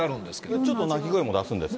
ちょっと鳴き声も出すんですか？